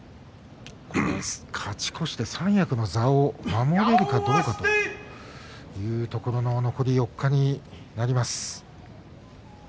勝ち越して三役の座を守れるかどうかというところの残り４日になります。